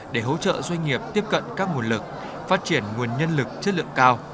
để hỗ trợ doanh nghiệp tiếp cận các nguồn lực phát triển nguồn nhân lực chất lượng cao